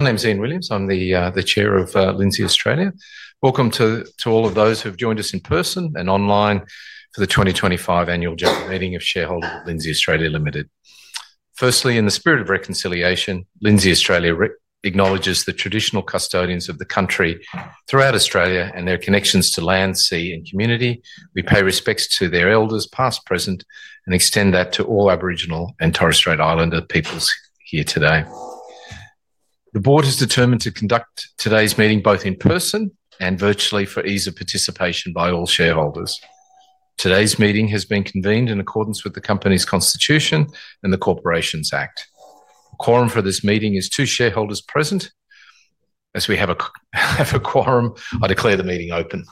My name is Ian Williams. I'm the Chair of Lindsay Australia. Welcome to all of those who have joined us in person and online for the 2025 Annual General Meeting of Shareholders of Lindsay Australia Limited. Firstly, in the spirit of reconciliation, Lindsay Australia acknowledges the traditional custodians of the country throughout Australia and their connections to land, sea, and community. We pay respects to their elders, past, present, and extend that to all Aboriginal and Torres Strait Islander peoples here today. The Board has determined to conduct today's meeting both in person and virtually for ease of participation by all shareholders. Today's meeting has been convened in accordance with the Company's Constitution and the Corporations Act. The quorum for this meeting is two shareholders present. As we have a quorum, I declare the meeting open.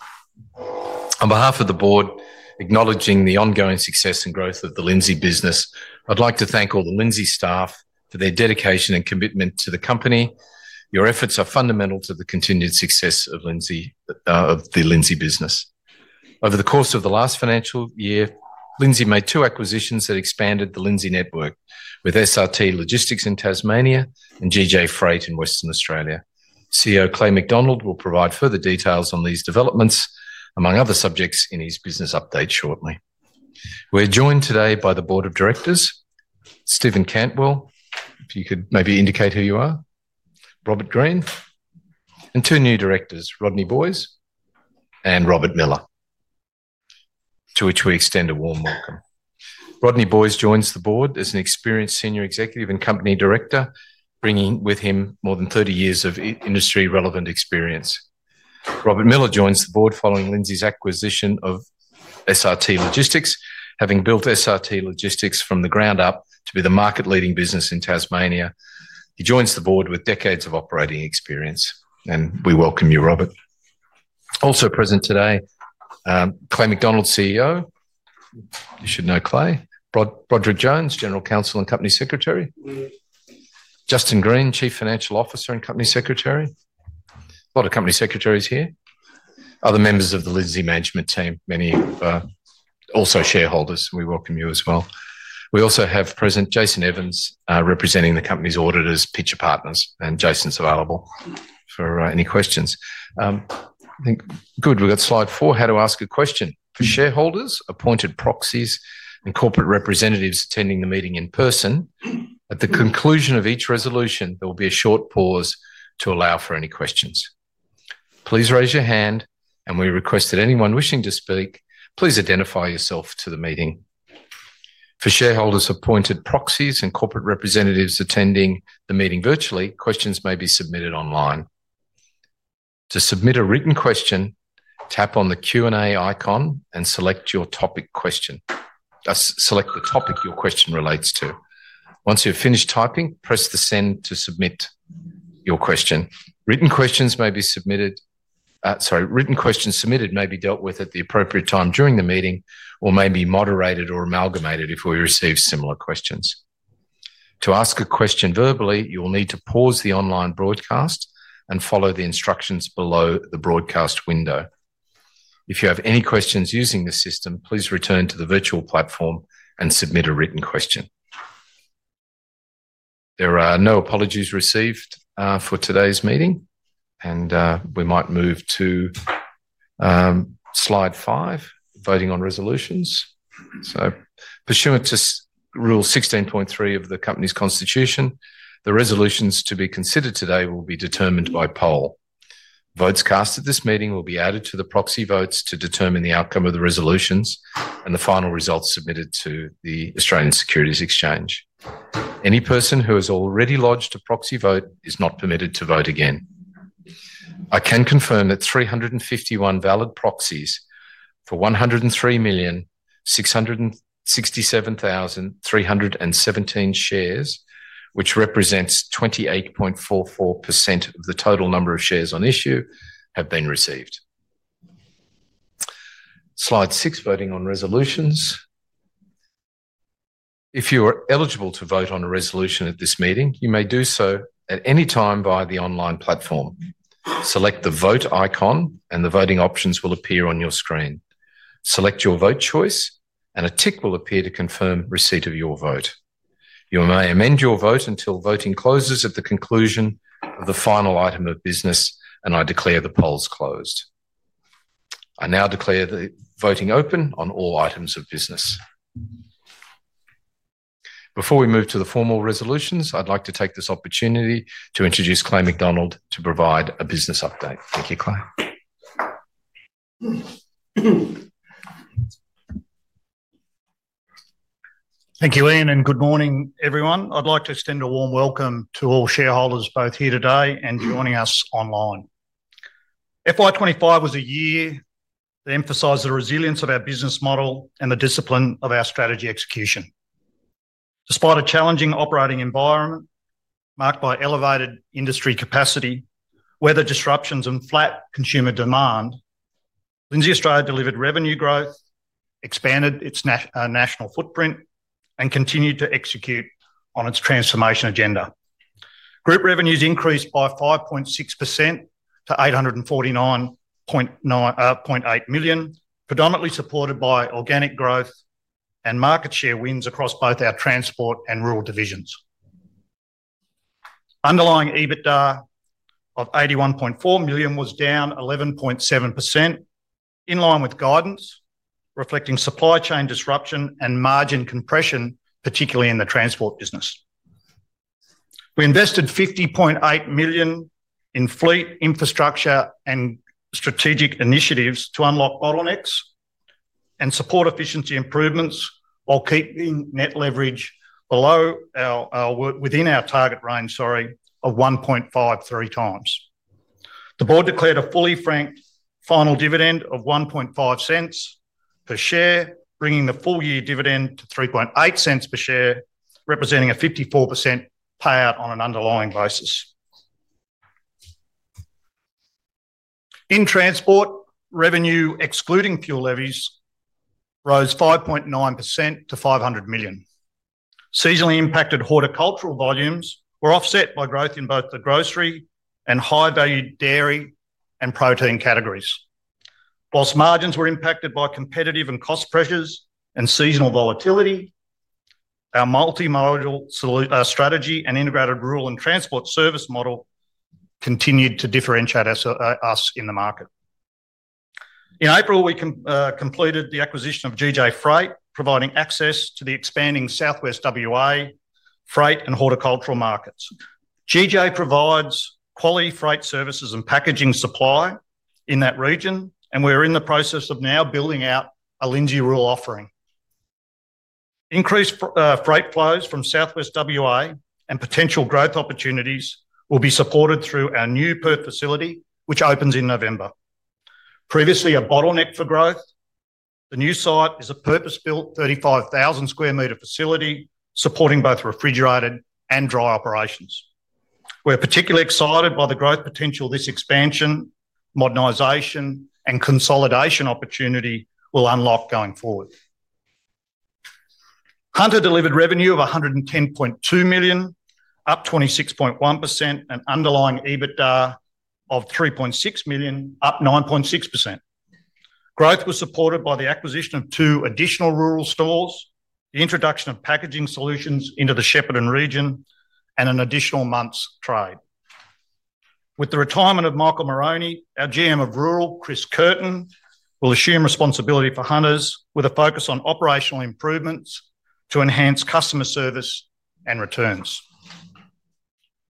On behalf of the Board, acknowledging the ongoing success and growth of the Lindsay business, I'd like to thank all the Lindsay staff for their dedication and commitment to the company. Your efforts are fundamental to the continued success of the Lindsay business. Over the course of the last financial year, Lindsay made two acquisitions that expanded the Lindsay network with SRT Logistics in Tasmania and GJ Freight in Western Australia. CEO Clay McDonald will provide further details on these developments, among other subjects in his business update shortly. We're joined today by the Board of Directors, Stephen Cantwell, if you could maybe indicate who you are, Robert Green, and two new directors, Rodney Boys and Robert Miller, to which we extend a warm welcome. Rodney Boys joins the Board as an experienced senior executive and company director, bringing with him more than 30 years of industry-relevant experience. Robert Miller joins the Board following Lindsay's acquisition of SRT Logistics, having built SRT Logistics from the ground up to be the market-leading business in Tasmania. He joins the Board with decades of operating experience, and we welcome you, Robert. Also present today, Clay McDonald, CEO. You should know Clay, Broderick Jones, General Counsel and Company Secretary, Justin Green, Chief Financial Officer and Company Secretary. A lot of company secretaries here. Other members of the Lindsay management team, many of whom are also shareholders. We welcome you as well. We also have present Jason Evans, representing the company's auditors, Pitcher Partners, and Jason's available for any questions. I think good. We've got slide four, how to ask a question. For shareholders, appointed proxies, and corporate representatives attending the meeting in person, at the conclusion of each resolution, there will be a short pause to allow for any questions. Please raise your hand, and we request that anyone wishing to speak, please identify yourself to the meeting. For shareholders, appointed proxies, and corporate representatives attending the meeting virtually, questions may be submitted online. To submit a written question, tap on the Q&A icon and select your topic question. Select the topic your question relates to. Once you've finished typing, press the send to submit your question. Written questions may be submitted—sorry, written questions submitted may be dealt with at the appropriate time during the meeting or may be moderated or amalgamated if we receive similar questions. To ask a question verbally, you will need to pause the online broadcast and follow the instructions below the broadcast window. If you have any questions using the system, please return to the virtual platform and submit a written question. There are no apologies received for today's meeting, and we might move to. Slide five, voting on resolutions. Pursuant to Rule 16.3 of the Company's Constitution, the resolutions to be considered today will be determined by poll. Votes cast at this meeting will be added to the proxy votes to determine the outcome of the resolutions and the final results submitted to the Australian Securities Exchange. Any person who has already lodged a proxy vote is not permitted to vote again. I can confirm that 351 valid proxies for 103,667,317 shares, which represents 28.44% of the total number of shares on issue, have been received. Slide six, voting on resolutions. If you are eligible to vote on a resolution at this meeting, you may do so at any time via the online platform. Select the vote icon, and the voting options will appear on your screen. Select your vote choice, and a tick will appear to confirm receipt of your vote. You may amend your vote until voting closes at the conclusion of the final item of business, and I declare the polls closed. I now declare the voting open on all items of business. Before we move to the formal resolutions, I'd like to take this opportunity to introduce Clay McDonald to provide a business update. Thank you, Clay. Thank you, Ian, and good morning, everyone. I'd like to extend a warm welcome to all shareholders both here today and joining us online. FY 2025 was a year that emphasized the resilience of our business model and the discipline of our strategy execution. Despite a challenging operating environment marked by elevated industry capacity, weather disruptions, and flat consumer demand, Lindsay Australia delivered revenue growth, expanded its national footprint, and continued to execute on its transformation agenda. Group revenues increased by 5.6% to 849.8 million, predominantly supported by organic growth and market share wins across both our transport and rural divisions. Underlying EBITDA of 81.4 million was down 11.7%, in line with guidance reflecting supply chain disruption and margin compression, particularly in the transport business. We invested 50.8 million. In fleet infrastructure and strategic initiatives to unlock bottlenecks and support efficiency improvements while keeping net leverage within our target range, sorry, of 1.53 times. The Board declared a fully franked final dividend of 0.015 per share, bringing the full-year dividend to 0.038 per share, representing a 54% payout on an underlying basis. In transport, revenue excluding fuel levies rose 5.9% to 500 million. Seasonally impacted horticultural volumes were offset by growth in both the grocery and high-value dairy and protein categories. Whilst margins were impacted by competitive and cost pressures and seasonal volatility, our multi-modal strategy and integrated rural and transport service model continued to differentiate us in the market. In April, we completed the acquisition of GJ Freight, providing access to the expanding Southwest WA freight and horticultural markets. GJ Freight provides quality freight services and packaging supply in that region, and we're in the process of now building out a Lindsay rural offering. Increased freight flows from Southwest WA and potential growth opportunities will be supported through our new Perth facility, which opens in November. Previously a bottleneck for growth, the new site is a purpose-built 35,000 sq m facility supporting both refrigerated and dry operations. We're particularly excited by the growth potential this expansion, modernization, and consolidation opportunity will unlock going forward. Hunter delivered revenue of 110.2 million, up 26.1%, and underlying EBITDA of 3.6 million, up 9.6%. Growth was supported by the acquisition of two additional rural stores, the introduction of packaging solutions into the Shepparton region, and an additional month's trade. With the retirement of Michael Moroney, our GM of rural, Chris Curtin will assume responsibility for Hunter's with a focus on operational improvements to enhance customer service and returns.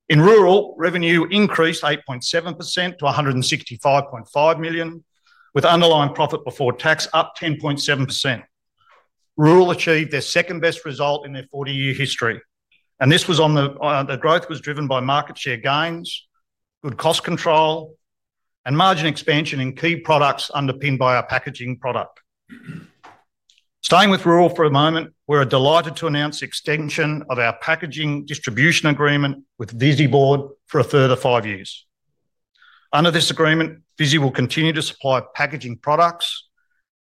In rural, revenue increased 8.7% to 165.5 million, with underlying profit before tax up 10.7%. Rural achieved their second-best result in their 40-year history, and this growth was driven by market share gains, good cost control, and margin expansion in key products underpinned by our packaging product. Staying with rural for a moment, we're delighted to announce the extension of our packaging distribution agreement with Visy Board for a further five years. Under this agreement, Visy Board will continue to supply packaging products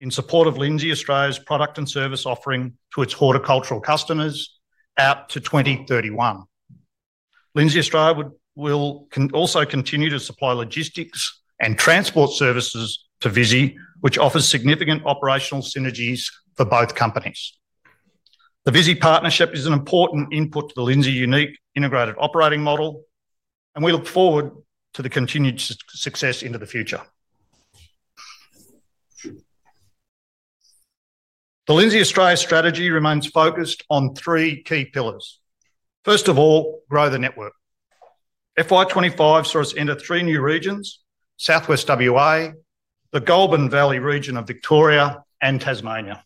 in support of Lindsay Australia's product and service offering to its horticultural customers out to 2031. Lindsay Australia will also continue to supply logistics and transport services to Visy, which offers significant operational synergies for both companies. The Visy partnership is an important input to the Lindsay unique integrated operating model, and we look forward to the continued success into the future. The Lindsay Australia strategy remains focused on three key pillars. First of all, grow the network. FY 2025 saw us enter three new regions: Southwest WA, the Goulburn Valley region of Victoria, and Tasmania.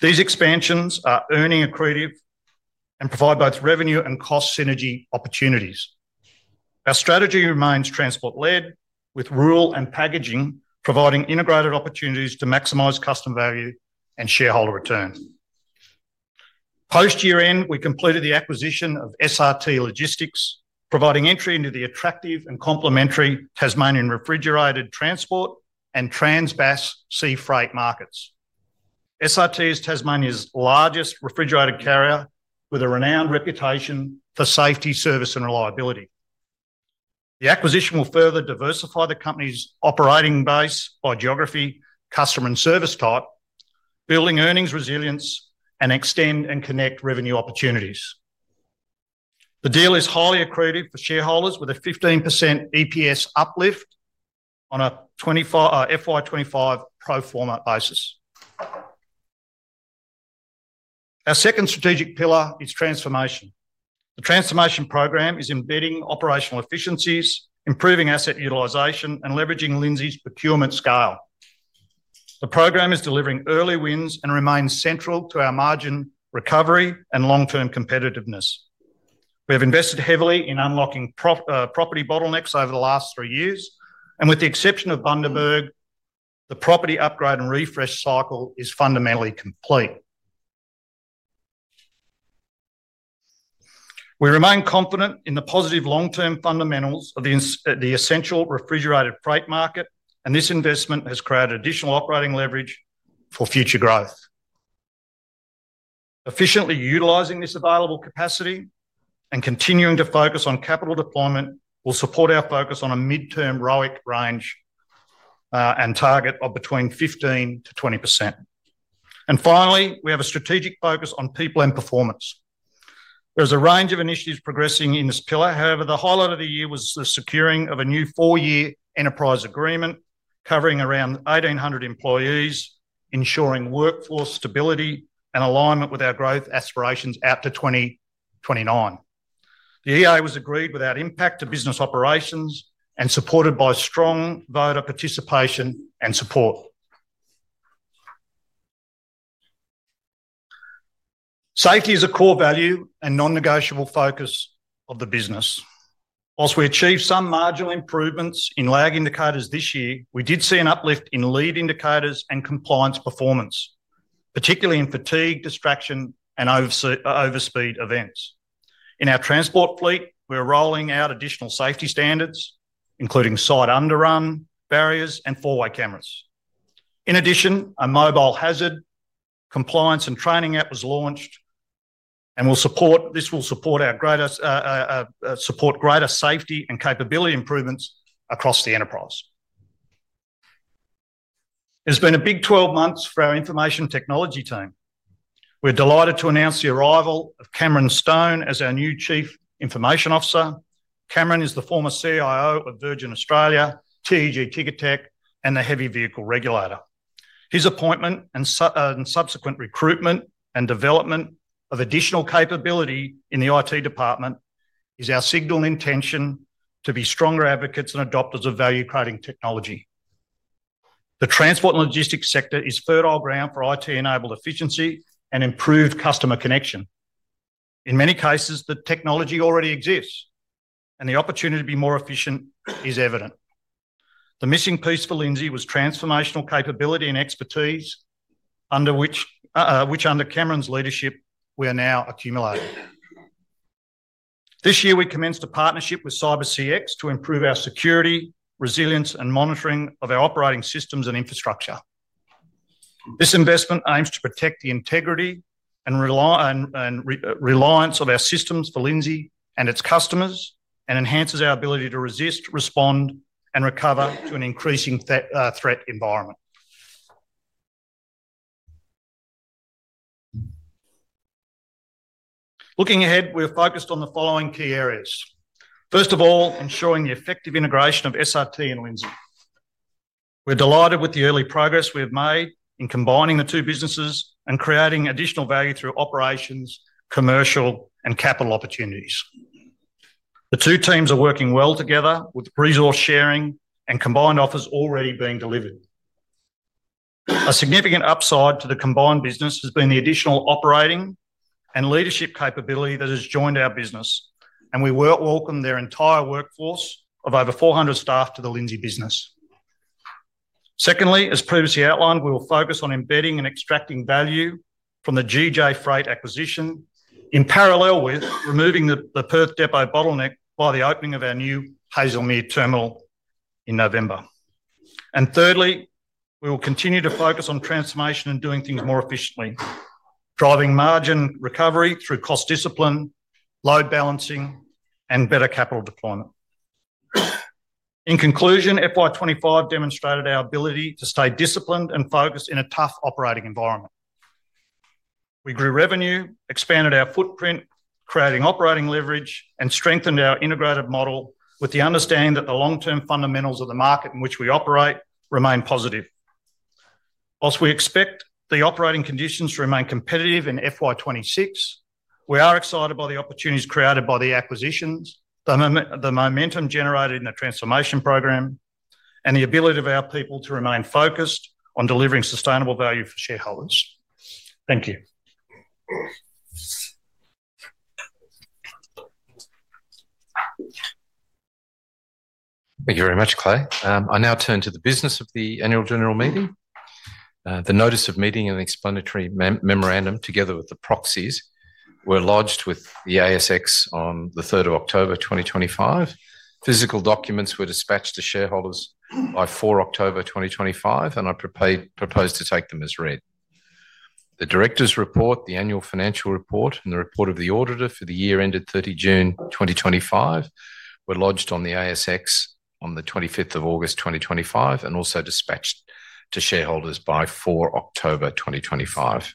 These expansions are earnings accretive and provide both revenue and cost synergy opportunities. Our strategy remains transport-led, with rural and packaging providing integrated opportunities to maximize customer value and shareholder return. Post year-end, we completed the acquisition of SRT Logistics, providing entry into the attractive and complementary Tasmanian refrigerated transport and transbass sea freight markets. SRT is Tasmania's largest refrigerated carrier with a renowned reputation for safety, service, and reliability. The acquisition will further diversify the company's operating base by geography, customer, and service type, building earnings resilience and extend and connect revenue opportunities. The deal is highly accretive for shareholders with a 15% EPS uplift on a FY 2025 pro forma basis. Our second strategic pillar is transformation. The transformation program is embedding operational efficiencies, improving asset utilization, and leveraging Lindsay's procurement scale. The program is delivering early wins and remains central to our margin recovery and long-term competitiveness. We have invested heavily in unlocking property bottlenecks over the last three years, and with the exception of Bundaberg, the property upgrade and refresh cycle is fundamentally complete. We remain confident in the positive long-term fundamentals of the essential refrigerated freight market, and this investment has created additional operating leverage for future growth. Efficiently utilizing this available capacity and continuing to focus on capital deployment will support our focus on a mid-term ROIC range and target of between 15%-20%. Finally, we have a strategic focus on people and performance. There is a range of initiatives progressing in this pillar. However, the highlight of the year was the securing of a new four-year enterprise agreement covering around 1,800 employees, ensuring workforce stability and alignment with our growth aspirations out to 2029. The EA was agreed without impact to business operations and supported by strong voter participation and support. Safety is a core value and non-negotiable focus of the business. Whilst we achieved some marginal improvements in lag indicators this year, we did see an uplift in lead indicators and compliance performance, particularly in fatigue, distraction, and overspeed events. In our transport fleet, we're rolling out additional safety standards, including site underrun barriers and four-way cameras. In addition, a mobile hazard compliance and training app was launched. This will support our greater safety and capability improvements across the enterprise. It's been a big 12 months for our information technology team. We're delighted to announce the arrival of Cameron Stone as our new Chief Information Officer. Cameron is the former CIO of Virgin Australia, TEG Ticketeck, and the Heavy Vehicle Regulator. His appointment and subsequent recruitment and development of additional capability in the IT department is our signal and intention to be stronger advocates and adopters of value-creating technology. The transport and logistics sector is fertile ground for IT-enabled efficiency and improved customer connection. In many cases, the technology already exists, and the opportunity to be more efficient is evident. The missing piece for Lindsay was transformational capability and expertise, which under Cameron's leadership, we are now accumulating. This year, we commenced a partnership with CyberCX to improve our security, resilience, and monitoring of our operating systems and infrastructure. This investment aims to protect the integrity and reliance of our systems for Lindsay and its customers and enhances our ability to resist, respond, and recover to an increasing threat environment. Looking ahead, we're focused on the following key areas. First of all, ensuring the effective integration of SRT and Lindsay. We're delighted with the early progress we have made in combining the two businesses and creating additional value through operations, commercial, and capital opportunities. The two teams are working well together with resource sharing and combined offers already being delivered. A significant upside to the combined business has been the additional operating and leadership capability that has joined our business, and we welcome their entire workforce of over 400 staff to the Lindsay business. Secondly, as previously outlined, we will focus on embedding and extracting value from the GJ Freight acquisition in parallel with removing the Perth depot bottleneck by the opening of our new Hazelmere terminal in November. Thirdly, we will continue to focus on transformation and doing things more efficiently, driving margin recovery through cost discipline, load balancing, and better capital deployment. In conclusion, FY 2025 demonstrated our ability to stay disciplined and focused in a tough operating environment. We grew revenue, expanded our footprint, creating operating leverage, and strengthened our integrated model with the understanding that the long-term fundamentals of the market in which we operate remain positive. Whilst we expect the operating conditions to remain competitive in FY 2026, we are excited by the opportunities created by the acquisitions, the momentum generated in the transformation program, and the ability of our people to remain focused on delivering sustainable value for shareholders. Thank you. Thank you very much, Clay. I now turn to the business of the annual general meeting. The notice of meeting and the explanatory memorandum together with the proxies were lodged with the ASX on the October 3rd, 2025. Physical documents were dispatched to shareholders by October 4th, 2025, and I propose to take them as read. The director's report, the annual financial report, and the report of the auditor for the year ended June 30rd, 2025, were lodged on the ASX on the August 25th, 2025, and also dispatched to shareholders by October 4th, 2025.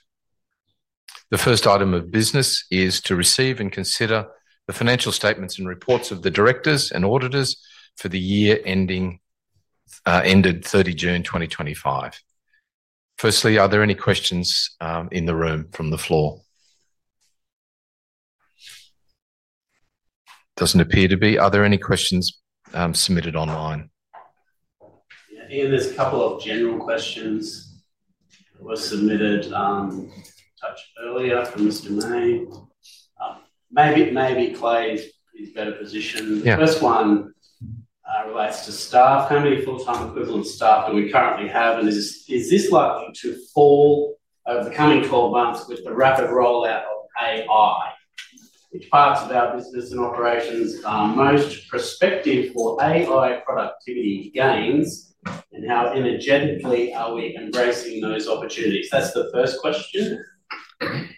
The first item of business is to receive and consider the financial statements and reports of the directors and auditors for the year ended June 30th, 2025. Firstly, are there any questions in the room from the floor? Doesn't appear to be. Are there any questions submitted online? Yeah, Ian, there's a couple of general questions. Were submitted. Touched earlier from Mr. May. Maybe Clay is better positioned. The first one relates to staff. How many full-time equivalent staff do we currently have? And is this likely to fall over the coming 12 months with the rapid rollout of AI? Which parts of our business and operations are most prospective for AI productivity gains? And how energetically are we embracing those opportunities? That's the first question. Thank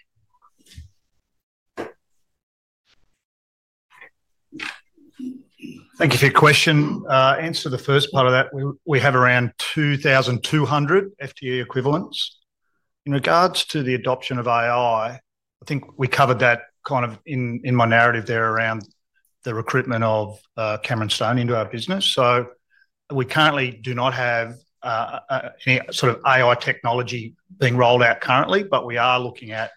you for your question. Answer the first part of that. We have around 2,200 FTE equivalents. In regards to the adoption of AI, I think we covered that kind of in my narrative there around the recruitment of Cameron Stone into our business. We currently do not have any sort of AI technology being rolled out currently, but we are looking at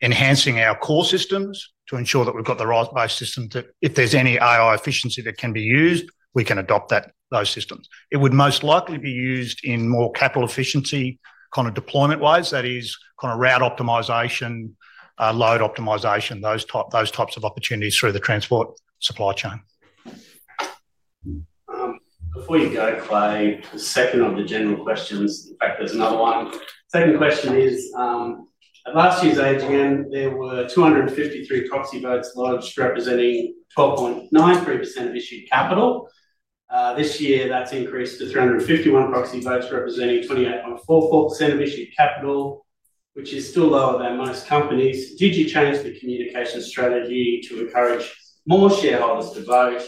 enhancing our core systems to ensure that we've got the right-based systems that if there's any AI efficiency that can be used, we can adopt those systems. It would most likely be used in more capital efficiency kind of deployment-wise. That is kind of route optimization, load optimization, those types of opportunities through the transport supply chain. Before you go, Clay, the second of the general questions. In fact, there's another one. Second question is, at last year's AGM, there were 253 proxy votes lodged representing 12.93% of issued capital. This year, that's increased to 351 proxy votes representing 28.44% of issued capital, which is still lower than most companies. Did you change the communication strategy to encourage more shareholders to vote?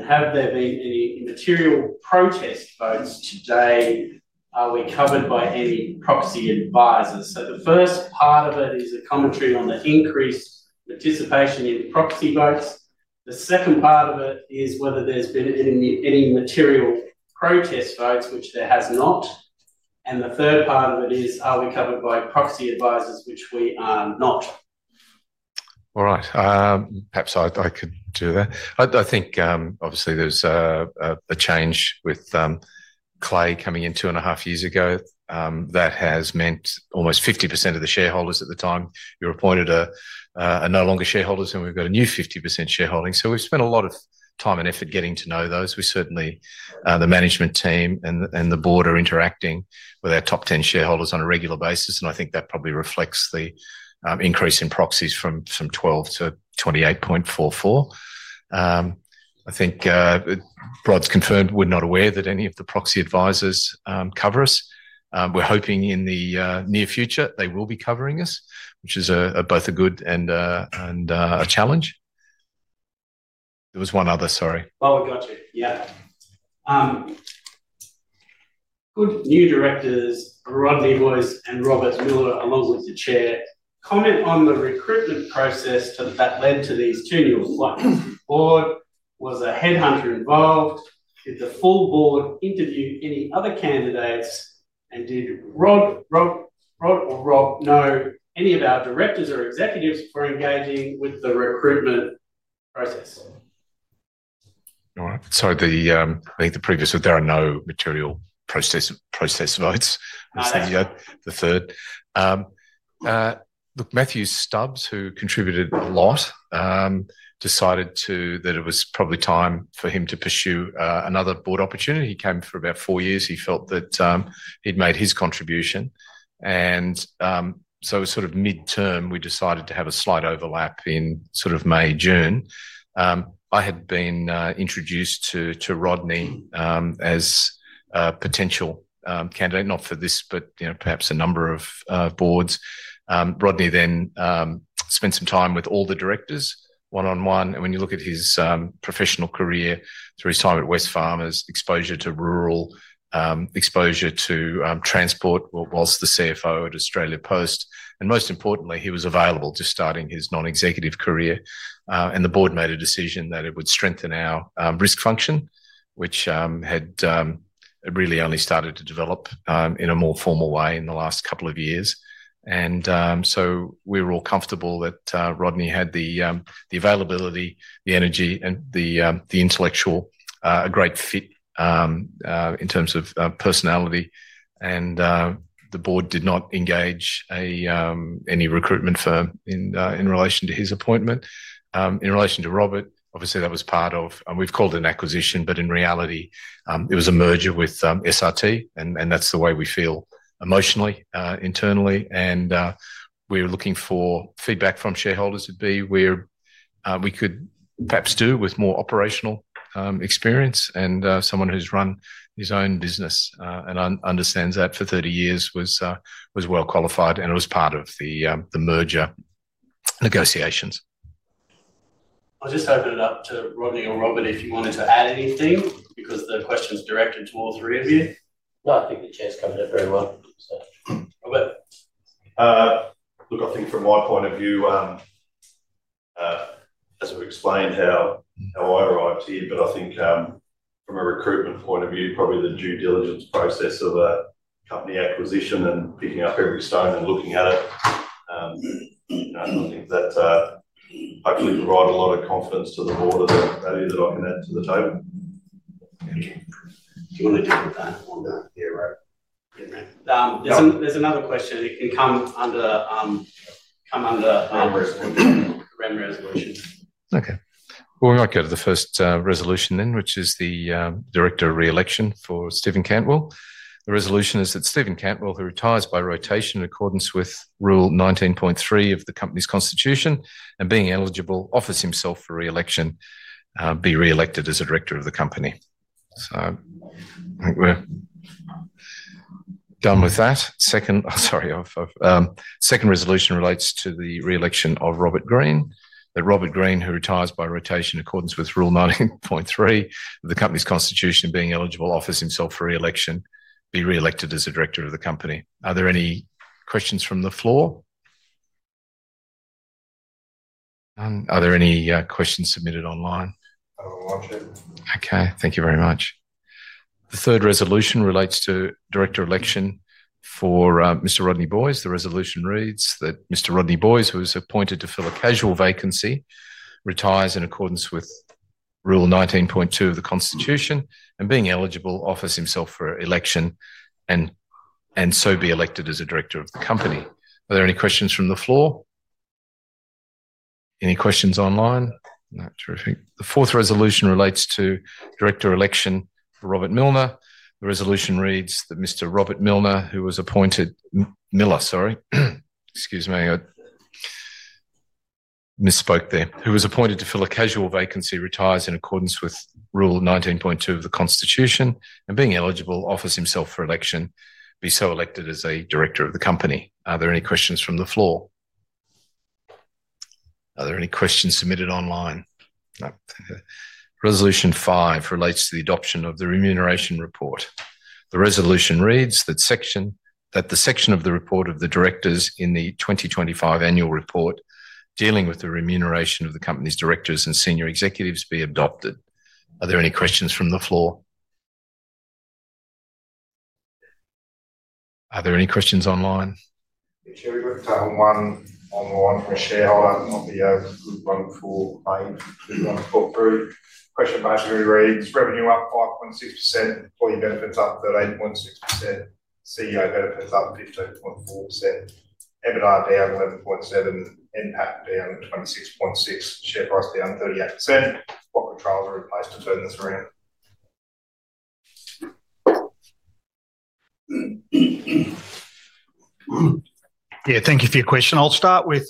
Have there been any material protest votes today? Are we covered by any proxy advisors? The first part of it is a commentary on the increased participation in proxy votes. The second part of it is whether there's been any material protest votes, which there has not. The third part of it is, are we covered by proxy advisors, which we are not. All right. Perhaps I could do that. I think, obviously, there's a change with Clay coming in two and a half years ago. That has meant almost 50% of the shareholders at the time you were appointed are no longer shareholders, and we've got a new 50% shareholding. We have spent a lot of time and effort getting to know those. We certainly, the management team and the board are interacting with our top 10 shareholders on a regular basis, and I think that probably reflects the increase in proxies from 12 to 28.44. I think Brod's confirmed we're not aware that any of the proxy advisors cover us. We're hoping in the near future they will be covering us, which is both a good and a challenge. There was one other, sorry. Oh, we got you. Yeah. Good. New directors, Rodney Boys and Robert Miller, along with the chair, comment on the recruitment process that led to these two new slots. Was a headhunter involved? Did the full board interview any other candidates? And did Rod or Rob know any of our directors or executives before engaging with the recruitment process? All right. I think the previous one, there are no material process votes. That's the third. Look, Matthew Stubbs, who contributed a lot, decided that it was probably time for him to pursue another board opportunity. He came for about four years. He felt that he'd made his contribution. It was sort of midterm, we decided to have a slight overlap in sort of May, June. I had been introduced to Rodney as a potential candidate, not for this, but perhaps a number of boards. Rodney then spent some time with all the directors one-on-one. When you look at his professional career through his time at Wesfarmers, exposure to rural, exposure to transport, whilst the CFO at Australia Post. Most importantly, he was available just starting his non-executive career. The board made a decision that it would strengthen our risk function, which had. Really only started to develop in a more formal way in the last couple of years. We were all comfortable that Rodney had the availability, the energy, and the intellectual great fit in terms of personality. The board did not engage any recruitment firm in relation to his appointment. In relation to Robert, obviously, that was part of, and we've called it an acquisition, but in reality, it was a merger with SRT, and that's the way we feel emotionally, internally. We were looking for feedback from shareholders to be where we could perhaps do with more operational experience. Someone who's run his own business and understands that for 30 years was well qualified, and it was part of the merger negotiations. I'll just open it up to Rodney or Robert if you wanted to add anything because the question's directed to all three of you. No, I think the chair's covered it very well, so. Robert? Look, I think from my point of view. As I've explained how I arrived here, but I think from a recruitment point of view, probably the due diligence process of a company acquisition and picking up every stone and looking at it. I think that. Hopefully provided a lot of confidence to the board of that value that I can add to the table. Thank you. Do you want to do a panel on that? Yeah, right. There's another question. It can come under. REM resolution. Okay. We might go to the first resolution then, which is the director reelection for Stephen Cantwell. The resolution is that Stephen Cantwell, who retires by rotation in accordance with Rule 19.3 of the company's constitution and being eligible, offers himself for reelection, be reelected as a director of the company. I think we're done with that. Second, sorry. Second resolution relates to the reelection of Robert Green. That Robert Green, who retires by rotation in accordance with Rule 19.3, the company's constitution being eligible, offers himself for reelection, be reelected as a director of the company. Are there any questions from the floor? Are there any questions submitted online? I will watch it. Okay. Thank you very much. The third resolution relates to director election for Mr. Rodney Boys. The resolution reads that Mr. Rodney Boys, who was appointed to fill a casual vacancy, retires in accordance with Rule 19.2 of the constitution and being eligible, offers himself for election and. Be elected as a director of the company. Are there any questions from the floor? Any questions online? Terrific. The fourth resolution relates to director election for Robert Miller. The resolution reads that Mr. Robert Miller, who was appointed—Miller, sorry. Excuse me. I misspoke there. Who was appointed to fill a casual vacancy, retires in accordance with Rule 19.2 of the constitution and being eligible, offers himself for election, be so elected as a director of the company. Are there any questions from the floor? Are there any questions submitted online? No. Resolution five relates to the adoption of the remuneration report. The resolution reads that the section of the report of the directors in the 2025 annual report dealing with the remuneration of the company's directors and senior executives be adopted. Are there any questions from the floor? Are there any questions online? Chairman, we've taken one online from a shareholder. That might be a good one for Clay. Good one for Clay. Question margin reads: Revenue up 5.6%, employee benefits up 38.6%, CEO benefits up 15.4%, EBITDA down 11.7%, impact down 26.6%, share price down 38%. What controls are in place to turn this around? Yeah, thank you for your question. I'll start with.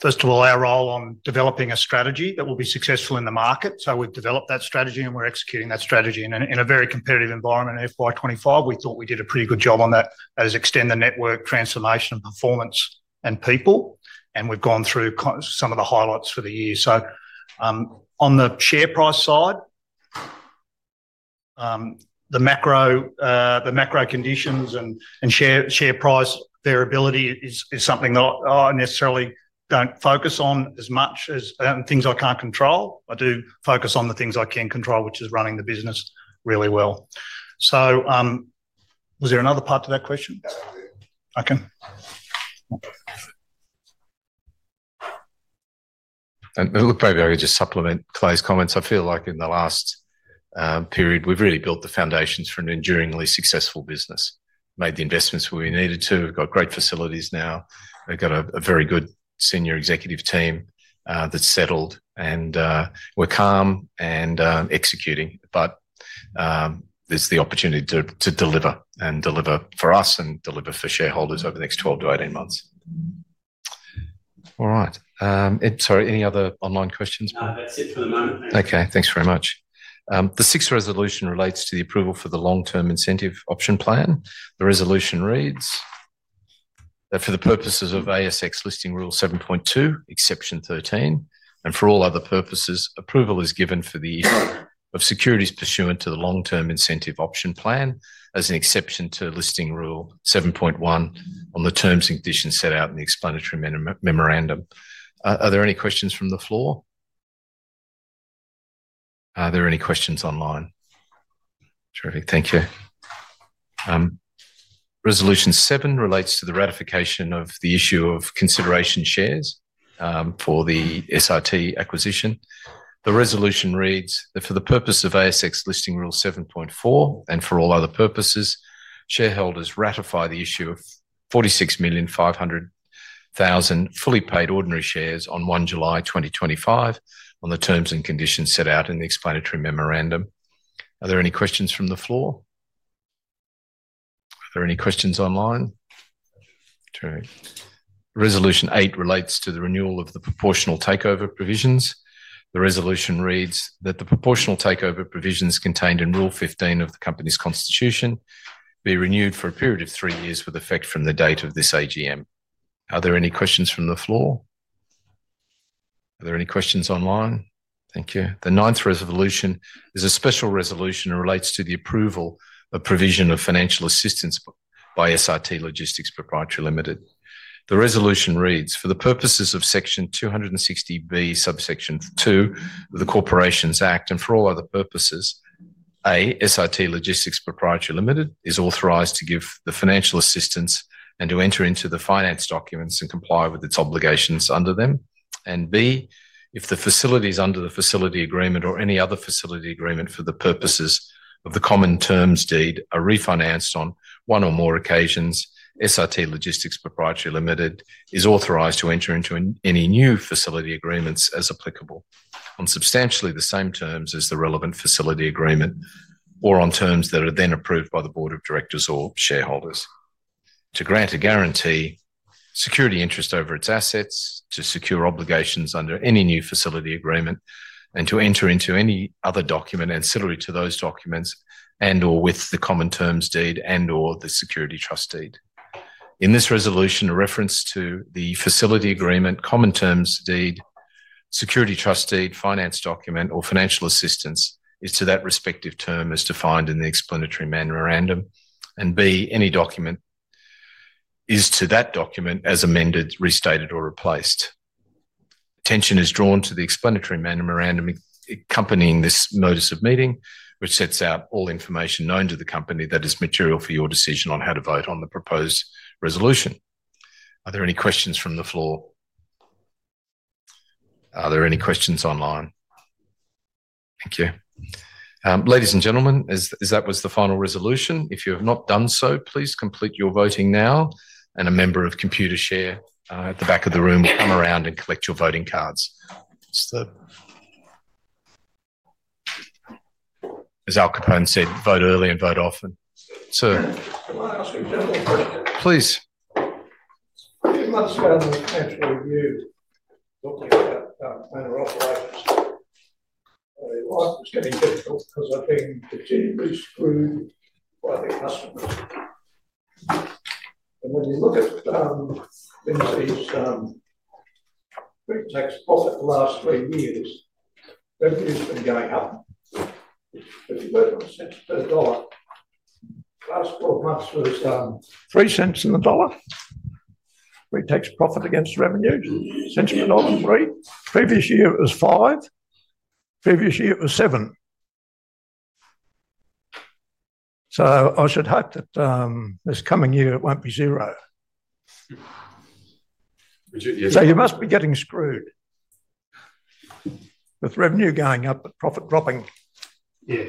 First of all, our role on developing a strategy that will be successful in the market. So we've developed that strategy, and we're executing that strategy in a very competitive environment in FY 2025. We thought we did a pretty good job on that as extend the network transformation of performance and people. And we've gone through some of the highlights for the year. On the share price side, the macro. Conditions and share price variability is something that I necessarily don't focus on as much as things I can't control. I do focus on the things I can control, which is running the business really well. Was there another part to that question? Okay. And to just supplement Clay's comments, I feel like in the last period, we've really built the foundations for an enduringly successful business. Made the investments we needed to. We've got great facilities now. We've got a very good senior executive team that's settled and we're calm and executing. There's the opportunity to deliver and deliver for us and deliver for shareholders over the next 12-18 months. All right. Sorry, any other online questions? No, that's it for the moment. Thank you. Okay, thanks very much. The sixth resolution relates to the approval for the long-term incentive option plan. The resolution reads. That for the purposes of ASX listing rule 7.2, exception 13, and for all other purposes, approval is given for the issue of securities pursuant to the long-term incentive option plan as an exception to listing rule 7.1 on the terms and conditions set out in the explanatory memorandum. Are there any questions from the floor? Are there any questions online? Terrific. Thank you. Resolution seven relates to the ratification of the issue of consideration shares for the SRT acquisition. The resolution reads that for the purpose of ASX listing rule 7.4 and for all other purposes, shareholders ratify the issue of 46,500,000 fully paid ordinary shares on July 1st, 2025 on the terms and conditions set out in the explanatory memorandum. Are there any questions from the floor? Are there any questions online? Terrific. Resolution eight relates to the renewal of the proportional takeover provisions. The resolution reads that the proportional takeover provisions contained in rule 15 of the company's constitution be renewed for a period of three years with effect from the date of this AGM. Are there any questions from the floor? Are there any questions online? Thank you. The ninth resolution is a special resolution and relates to the approval of provision of financial assistance by SRT Logistics Proprietary Limited. The resolution reads, "For the purposes of section 260B, subsection two of the Corporations Act and for all other purposes, A, SRT Logistics Proprietary Limited is authorized to give the financial assistance and to enter into the finance documents and comply with its obligations under them. If the facilities under the facility agreement or any other facility agreement for the purposes of the common terms deed are refinanced on one or more occasions, SIT Logistics Proprietary Limited is authorized to enter into any new facility agreements as applicable on substantially the same terms as the relevant facility agreement or on terms that are then approved by the board of directors or shareholders. To grant a guarantee, security interest over its assets, to secure obligations under any new facility agreement, and to enter into any other document ancillary to those documents and/or with the common terms deed and/or the security trust deed. In this resolution, a reference to the facility agreement, common terms deed, security trust deed, finance document, or financial assistance is to that respective term as defined in the explanatory memorandum. Any document. Is to that document as amended, restated, or replaced. Attention is drawn to the explanatory memorandum accompanying this notice of meeting, which sets out all information known to the company that is material for your decision on how to vote on the proposed resolution. Are there any questions from the floor? Are there any questions online? Thank you. Ladies and gentlemen, that was the final resolution. If you have not done so, please complete your voting now. A member of Computer Share at the back of the room will come around and collect your voting cards. As Al Capone said, "Vote early and vote often." Sir? Can I ask you a general question? Please. How much can the financial review. Looking at our plan of operations? It's getting difficult because I've been continuously screwed by the customers. And when you look at. Lindsay's retax profit the last three years, revenue has been going up. If you work on AUD 0.01 per dollar. Last four months was 0.03 in the dollar? Retax profit against revenue? Cents per dollar and three? Previous year, it was 0.05. Previous year, it was 0.07. I should hope that this coming year, it won't be 0.00. You must be getting screwed. With revenue going up, profit dropping. Yeah.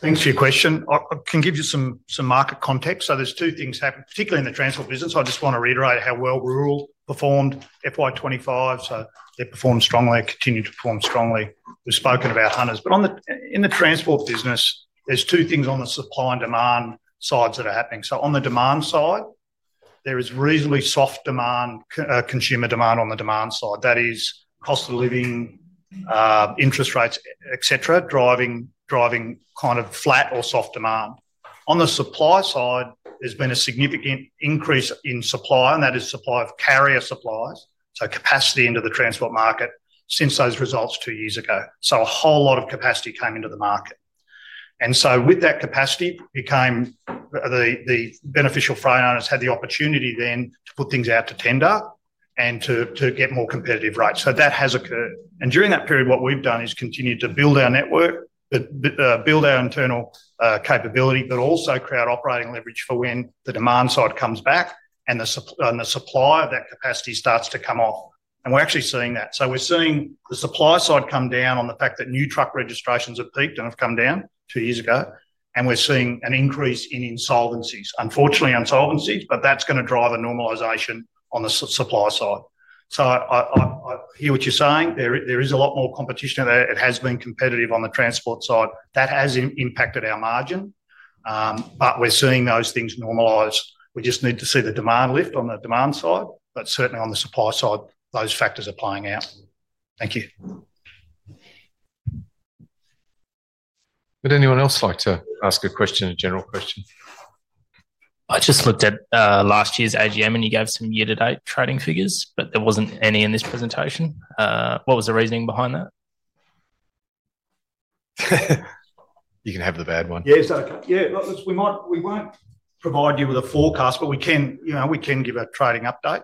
Thanks for your question. I can give you some market context. There are two things happening, particularly in the transport business. I just want to reiterate how well rural performed FY 2025. They performed strongly. They continue to perform strongly. We've spoken about Hunters. In the transport business, there are two things on the supply and demand sides that are happening. On the demand side, there is reasonably soft consumer demand on the demand side. That is cost of living. Interest rates, etc., driving kind of flat or soft demand. On the supply side, there's been a significant increase in supply, and that is supply of carrier supplies, so capacity into the transport market since those results two years ago. A whole lot of capacity came into the market. With that capacity, it became. The beneficial freight owners had the opportunity then to put things out to tender and to get more competitive rates. That has occurred. During that period, what we've done is continue to build our network. Build our internal capability, but also create operating leverage for when the demand side comes back and the supply of that capacity starts to come off. We're actually seeing that. We're seeing the supply side come down on the fact that new truck registrations have peaked and have come down two years ago. We're seeing an increase in insolvencies. Unfortunately, insolvencies, but that's going to drive a normalization on the supply side. I hear what you're saying. There is a lot more competition there. It has been competitive on the transport side. That has impacted our margin. We're seeing those things normalize. We just need to see the demand lift on the demand side. Certainly, on the supply side, those factors are playing out. Thank you. Would anyone else like to ask a question, a general question? I just looked at last year's AGM, and you gave some year-to-date trading figures, but there wasn't any in this presentation. What was the reasoning behind that? You can have the bad one. Yeah, it's okay. Yeah. We won't provide you with a forecast, but we can give a trading update.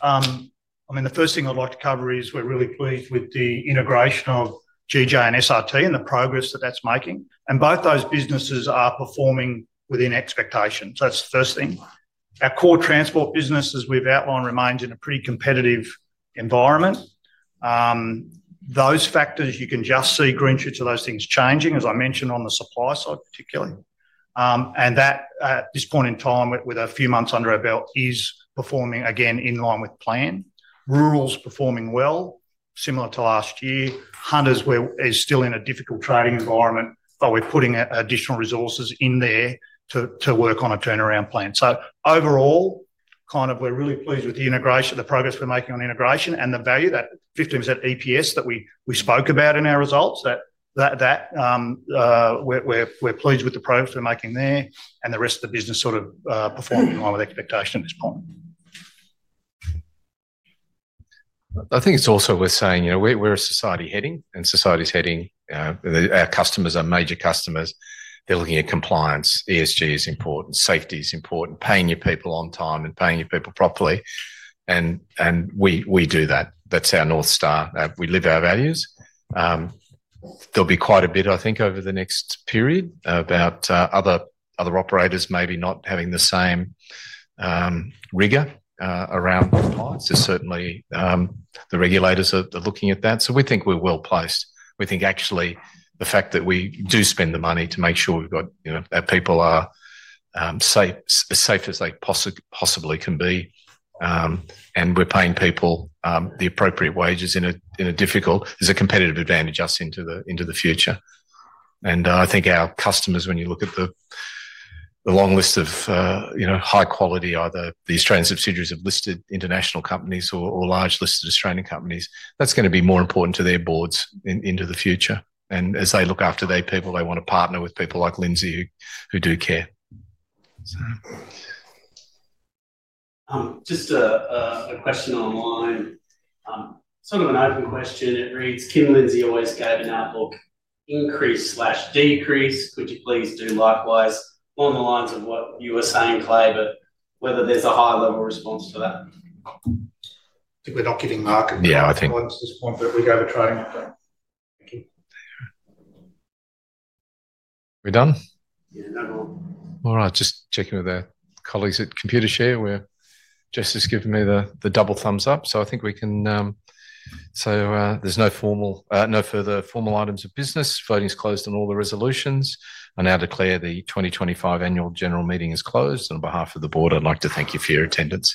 I mean, the first thing I'd like to cover is we're really pleased with the integration of GJ and SRT and the progress that that's making. Both those businesses are performing within expectations. That's the first thing. Our core transport business, as we've outlined, remains in a pretty competitive environment. You can just see green shoots of those things changing, as I mentioned, on the supply side, particularly. At this point in time, with a few months under our belt, it is performing again in line with plan. Rural's performing well, similar to last year. Hunter's is still in a difficult trading environment, but we're putting additional resources in there to work on a turnaround plan. Overall, kind of we're really pleased with the progress we're making on integration and the value, that 15% EPS that we spoke about in our results. We're pleased with the progress we're making there, and the rest of the business sort of performing in line with expectation at this point. I think it's also worth saying we're a society heading, and society's heading. Our customers are major customers. They're looking at compliance. ESG is important. Safety is important. Paying your people on time and paying your people properly. We do that. That's our North Star. We live our values. There'll be quite a bit, I think, over the next period about other operators maybe not having the same rigor around compliance. Certainly, the regulators are looking at that. We think we're well placed. We think, actually, the fact that we do spend the money to make sure we've got our people as safe as they possibly can be, and we're paying people the appropriate wages in a difficult, as a competitive advantage, us into the future. I think our customers, when you look at the long list of high quality, either the Australian subsidiaries of listed international companies or large listed Australian companies, that's going to be more important to their boards into the future. As they look after their people, they want to partner with people like Lindsay who do care. Just a question online, sort of an open question. It reads, "Kim Lindsay always gave an outlook increase/decrease. Could you please do likewise?" Along the lines of what you were saying, Clay, but whether there's a high-level response to that. I think we're not getting market response. Yeah, I think at this point we go over trading update. Thank you. We done? Yeah, no more. All right. Just checking with our colleagues at Computershare. We're just giving me the double thumbs up. I think we can. There's no further formal items of business. Voting is closed on all the resolutions. I now declare the 2025 annual general meeting is closed. On behalf of the board, I'd like to thank you for your attendance.